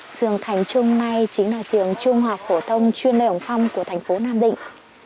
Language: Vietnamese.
trường thành trung này chính là trường trung học phổ thông chuyên lệ ổng phong của thành phố nam định